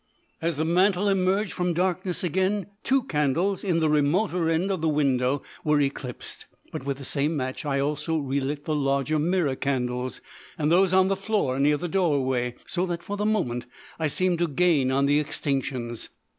As the mantel emerged from darkness again, two candles in the remoter end of the window were eclipsed. But with the same match I also relit the larger mirror candles, and those on the floor near the doorway, so that for the moment I seemed to gain on the extinctions.